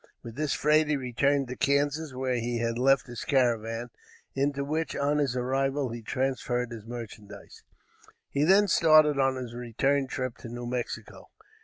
With this freight, he returned to Kansas, where he had left his caravan, into which, on his arrival, he transferred his merchandise. He then started on his return trip to New Mexico.